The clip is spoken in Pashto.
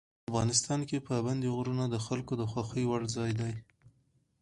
افغانستان کې پابندی غرونه د خلکو د خوښې وړ ځای دی.